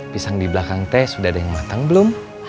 pisang di belakang teh sudah ada yang matang belum